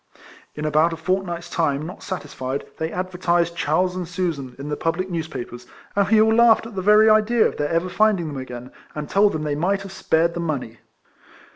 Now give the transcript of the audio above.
In about a fortnight's time, not satisfied, they advertised Charles and Susan in the public newspapers ; and we all laughed at the very idea of their ever finding them again, and told them they might have spared the money.